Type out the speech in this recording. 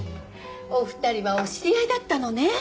お二人はお知り合いだったのね？